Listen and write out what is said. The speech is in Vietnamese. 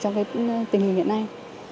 trong tình hình hiện nay